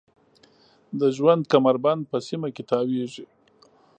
د ژوند کمربند په سیمه کې تاویږي.